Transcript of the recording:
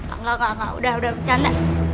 enggak enggak udah udah bercanda